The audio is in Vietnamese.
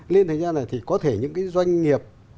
lên thời gian này thì có thể những cái doanh nghiệp